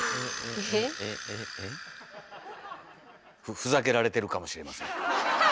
ふざけられてるかもしれません。